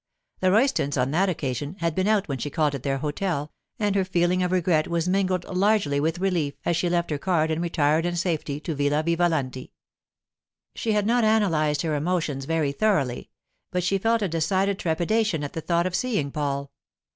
The Roystons, on that occasion, had been out when she called at their hotel, and her feeling of regret was mingled largely with relief as she left her card and retired in safety to Villa Vivalanti. She had not analysed her emotions very thoroughly, but she felt a decided trepidation at the thought of seeing Paul.